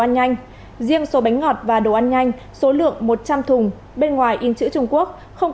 nhanh riêng số bánh ngọt và đồ ăn nhanh số lượng một trăm linh thùng bên ngoài in chữ trung quốc không